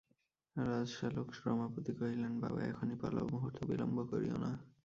রাজশ্যালক রমাপতি কহিলেন, বাবা, এখনই পালাও, মুহূর্ত বিলম্ব করিয়ো না।